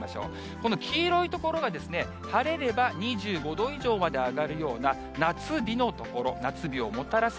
この黄色い所が晴れれば２５度以上まで上がるような夏日の所、夏日をもたらす